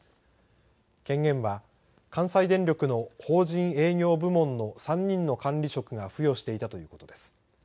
権限は関西電力の法人営業部門の３人の管理職が付与していたということです。